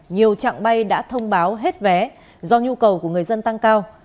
nhiều trạng bay đã thông báo hết vé do nhu cầu của người dân tăng cao